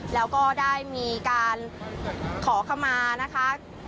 แล้วก็ได้มีการขอขมานะคะ